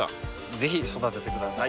ぜひ育ててください。